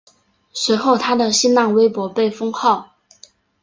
随后他的新浪微博被封号。